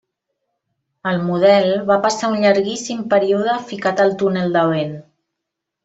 El model va passar un llarguíssim període ficat al túnel de vent.